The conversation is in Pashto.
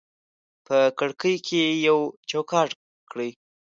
په کړکۍ کې یې چوکاټ کړي